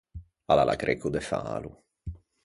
A l’à l’agrecco de fâlo.